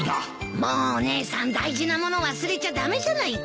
もう姉さん大事なもの忘れちゃ駄目じゃないか。